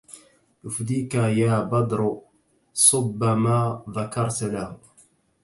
يفديك يا بدر صب ما ذكرت له